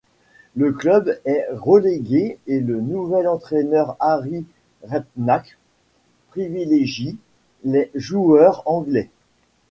Le club est relégué et le nouvel entraîneur Harry Redknapp privilégie les joueurs anglais.